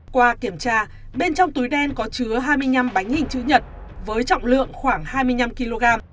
qua kiểm tra bên trong túi đen có chứa hai mươi năm bánh hình chữ nhật với trọng lượng khoảng hai mươi năm kg